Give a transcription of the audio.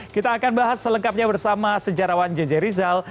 kita akan bahas selengkapnya bersama sejarawan jj rizal